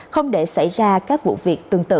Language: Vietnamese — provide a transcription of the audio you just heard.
không để xảy ra các vụ việc tương tự